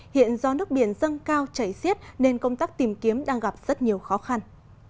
hiện do nước biển dâng cao chảy xiết nên công tác tìm kiếm đang gặp rất nhiều khó khăn